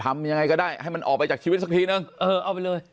ทำยังไงก็ได้ให้มันออกไปจากชีวิตสักทีนึงเออเอาไปเลย